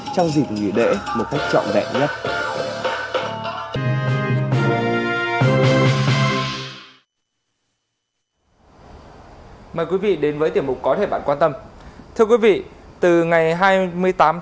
trong dịp nghỉ đễ một cách trọng đẹp nhất